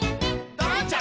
「ドロンチャ！